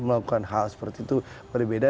melakukan hal seperti itu berbeda